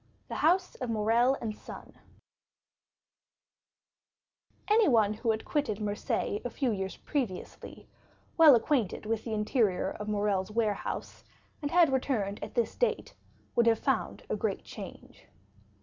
The House of Morrel & Son Anyone who had quitted Marseilles a few years previously, well acquainted with the interior of Morrel's warehouse, and had returned at this date, would have found a great change.